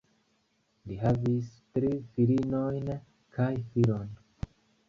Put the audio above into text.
Li havis tri filinojn kaj filon.